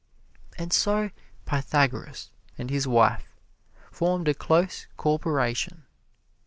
And so Pythagoras and his wife formed a close corporation.